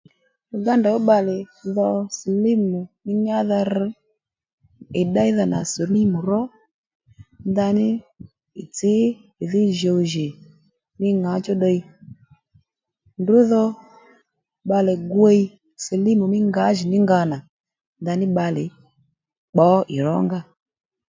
Uganda ó bbalè dho silímù nyádha rr ì ddéydha nà silímù ró ndaní ì tsǐ ì dhí jǔw jì ní ŋǎchú ddiy ndrǔ dho bbalè gwíy silímù mí ngǎjìní nga nà ndaní bbalè pbǒ ì rónga